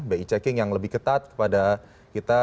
bi checking yang lebih ketat kepada kita